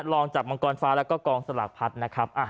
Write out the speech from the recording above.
ลองจับมังกรฟ้าแล้วก็กองสลากพัดนะครับ